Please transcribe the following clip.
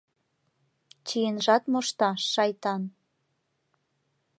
Чиенжат мошта, шайтан!